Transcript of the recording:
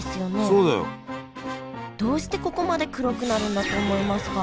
そうだよ。どうしてここまで黒くなるんだと思いますか？